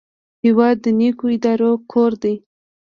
هېواد د نیکو ارادو کور دی.